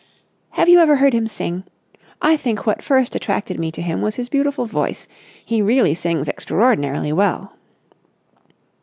"Have you ever heard him sing? I think what first attracted me to him was his beautiful voice. He really sings extraordinarily well."